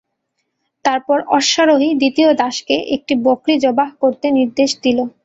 তারপর অশ্বারোহী দ্বিতীয় দাসকে একটি বকরী যবাহ করতে নির্দেশ দিল।